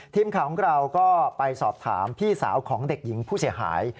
ทีมข่าวของเราก็ไปสอบถามพี่สาวของเด็กหญิงผู้เสียหาย